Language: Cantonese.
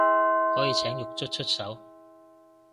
可以請獄卒出手